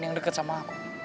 yang deket sama aku